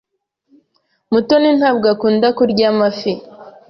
Mutoni ntabwo akunda kurya amafi.